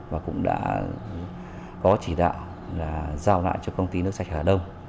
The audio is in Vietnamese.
và cũng đã có chỉ đạo là giao lại cho công ty nước sạch hà đông